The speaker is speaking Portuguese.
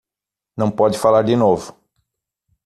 Não pode falar de novo